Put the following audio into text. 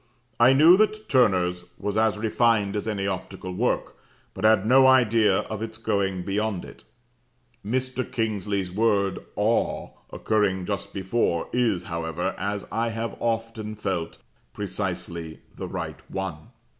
I knew that Turner's was as refined as any optical work, but had no idea of its going beyond it. Mr. Kingsley's word 'awe' occurring just before, is, however, as I have often felt, precisely the right one.